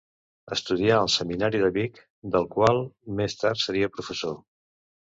Estudià al seminari de Vic, del qual més tard seria professor.